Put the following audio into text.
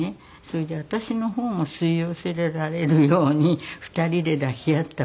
それで私の方も吸い寄せられるように２人で抱き合ったわね。